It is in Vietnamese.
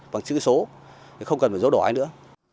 bằng chức ký số không cần phải dấu đỏ ai nữa